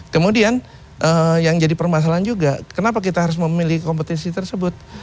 kemudian yang jadi permasalahan juga kenapa kita harus memilih kompetisi tersebut